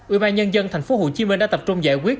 ubnd tp hcm đã tập trung giải quyết